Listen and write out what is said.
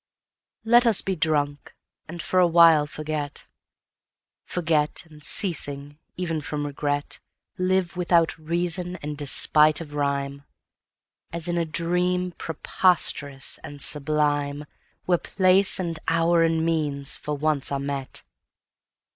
LET us be drunk, and for a while forget, Forget, and, ceasing even from regret, Live without reason and despite of rhyme, As in a dream preposterous and sublime, Where place and hour and means for once are met.